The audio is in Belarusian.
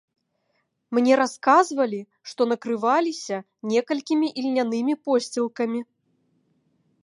Мне расказвалі, што накрываліся некалькімі ільнянымі посцілкамі.